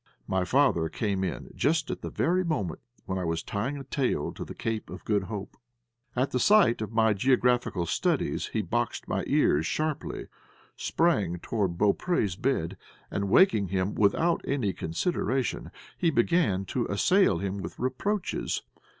My father came in just at the very moment when I was tying a tail to the Cape of Good Hope. At the sight of my geographical studies he boxed my ears sharply, sprang forward to Beaupré's bed, and, awaking him without any consideration, he began to assail him with reproaches.